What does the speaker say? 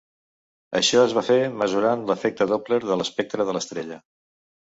Això es va fer mesurant l'efecte Doppler de l'espectre de l'estrella.